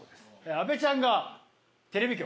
阿部ちゃんがテレビ局。